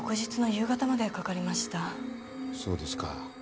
そうですか。